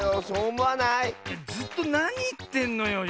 ずっとなにいってんのよ。